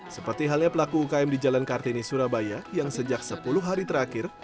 seperti halnya pelaku ukm di jalan kartini surabaya yang sejak sepuluh hari terakhir